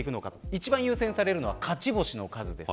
１番優先されるのが勝ち星の数です。